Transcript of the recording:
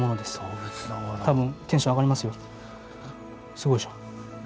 すごいでしょ？